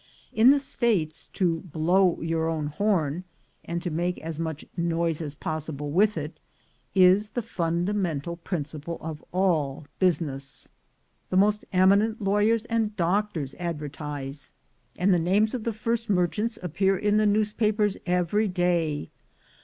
In the States, to blow your own horn, and to make as much noise as possible with it, is the fundamental principle of all business. The most eminent lawyers and doc tors advertise, and the names of the first merchants 110 THE GOLD HUNTERS appear in the newspapers every day.